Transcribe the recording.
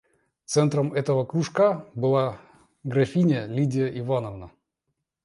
Центром этого кружка была графиня Лидия Ивановна.